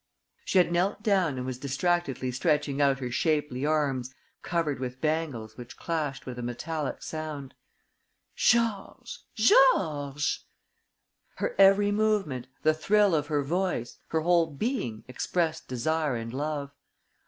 She had knelt down and was distractedly stretching out her shapely arms covered with bangles which clashed with a metallic sound: "Georges!... Georges!..." Her every movement, the thrill of her voice, her whole being expressed desire and love.